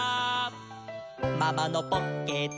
「ママのポッケだ」